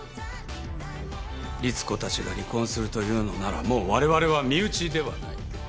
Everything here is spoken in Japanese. リツコたちが離婚するというのならもうわれわれは身内ではない。